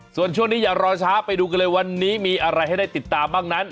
ส่วนช่วงนี้อย่ารอช้าไปดูกันเลยวันนี้มีอะไรให้ได้ติดตามบ้างนั้น